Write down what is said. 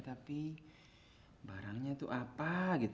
tapi barangnya itu apa